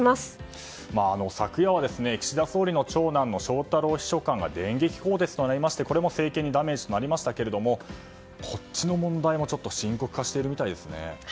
昨夜は岸田総理の長男の翔太郎秘書官が電撃更迭となりまして、これも政権のダメージになりましたがこっちの問題も深刻化しているみたいですね。